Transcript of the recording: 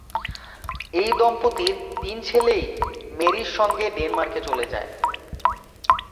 এই দম্পতির তিন ছেলেই মেরির সঙ্গে ডেনমার্কে চলে যায়।